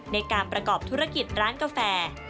ในการประกอบธุรกิจร้านกาแฟ